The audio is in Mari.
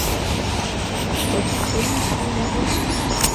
Кочде темын, шонеда мо?